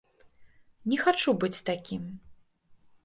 Не хачу быць такім.